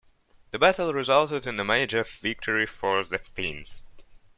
The battle resulted in a major victory for the Finns.